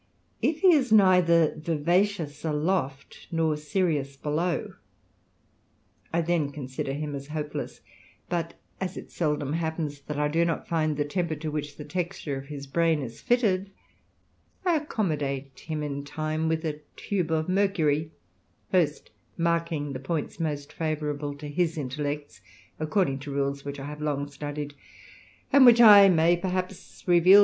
If he is neither vivacious aloft, nor serious below, I then consider him as hopeless ; but as it seldom happens, that I do not find the temper to which the texture of his brain is fitted, I acccommodate him in time with a tube of mercury, first marking the points most favourable to his intellects, according to rules which I have long studied, and which I may, perhaps, reveal 142 THE RAMBLER.